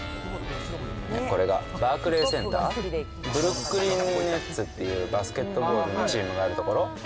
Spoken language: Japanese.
これがバークレーセンター、ブルックリンネッツっていうバスケットボールのチームがある所。